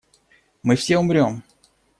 Мы все умрём!